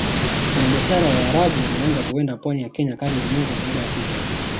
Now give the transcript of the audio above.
Wafanyabiashara Waarabu walianza kwenda pwani ya Kenya karne ya moja baada ya kristo